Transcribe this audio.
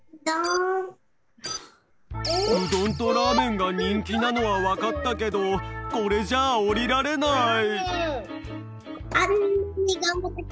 うどんとラーメンがにんきなのはわかったけどこれじゃあおりられない。